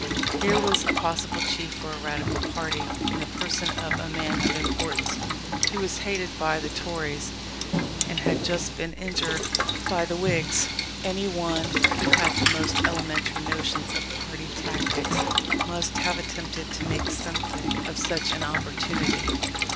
Here was a possible chief for a Radical party in the person of a man of importance, who was hated by the Tories and had just been injured by the Whigs. Any one who had the most elementary notions of party tactics, must have attempted to make something of such an opportunity.